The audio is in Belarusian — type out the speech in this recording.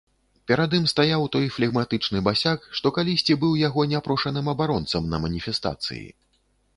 Перад ім стаяў той флегматычны басяк, што калісьці быў яго няпрошаным абаронцам на маніфестацыі.